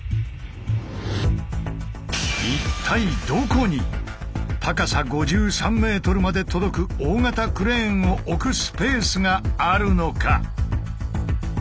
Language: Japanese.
一体どこに高さ５３ｍまで届く大型クレーンを置くスペースがあるのか？